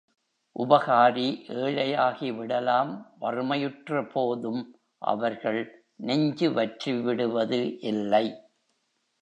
உபகாரி ஏழையாகிவிடலாம் வறுமை உற்றபோதும் அவர்கள் நெஞ்சு வற்றிவிடுவது இல்லை.